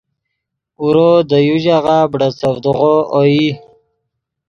اورو دے یو ژاغہ بڑیچڤدغو اوئی